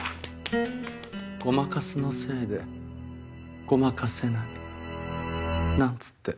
胡麻カスのせいでごまかせないなんつって。